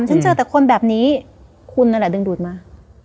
ฉันเจอแต่คนแบบนี้คุณนั่นแหละดึงดูดมา